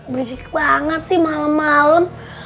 berisik banget sih malem malem